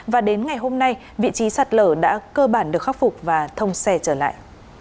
và đến ngày hôm nay vị trí sạt lở đã cơ bản được khắc phục và thông xe trở lại